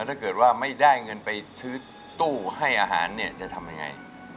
ถ้าเกิดว่าไม่ได้เงินไปซื้อตู้ให้อาหารเนี่ยจะทำยังไง